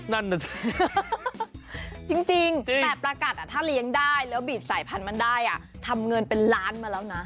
นั่นน่ะสิจริงแต่ประกัดถ้าเลี้ยงได้แล้วบีดสายพันธุ์มันได้ทำเงินเป็นล้านมาแล้วนะ